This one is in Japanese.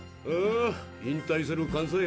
ああ引退するかん